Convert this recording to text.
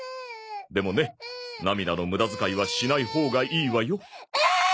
でもね涙の無駄遣いはしないほうがいいわよ。